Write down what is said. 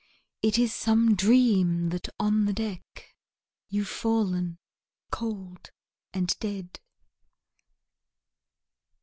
It is some dream that on the deck, You've fallen cold and dead.